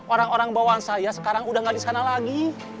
orang orang bawahan saya sekarang udah gak di sana lagi